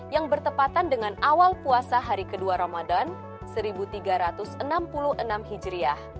yang bertepatan dengan awal puasa hari kedua ramadan seribu tiga ratus enam puluh enam hijriah